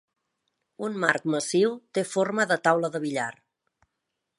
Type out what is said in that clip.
Un marc massiu té forma de taula de billar.